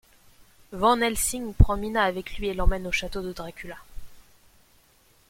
Van Helsing prend Mina avec lui et l'emmène au château de Dracula.